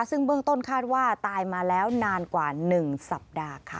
ซึ่งเบื้องต้นคาดว่าตายมาแล้วนานกว่า๑สัปดาห์ค่ะ